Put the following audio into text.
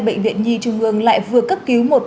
bệnh viện nhi trung ương lại vừa cấp cứu một